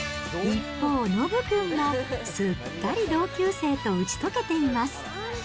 一方、のぶ君もすっかり同級生と打ち解けています。